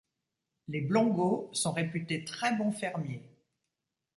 Les blongos sont réputés très bon fermiers.